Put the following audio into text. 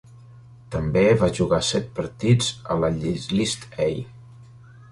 També va jugar set partits a la List A.